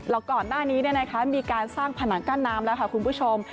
แล้วก่อนหน้านี้มีการสร้างผนังกั้นน้ำแล้วค่ะคุณผู้ชม